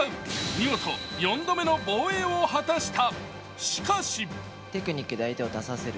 見事４度目の防衛を果たした。